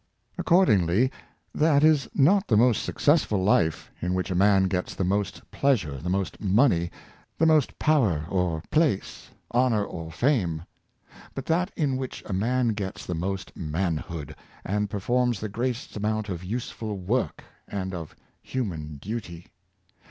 Accordingly, that is not the most successful life in which a man gets the most pleas ure, the most money, the most power or place, honor or fame; but that in which a man gets the most man hood, and performs the greatest amount of useful work and of human duty.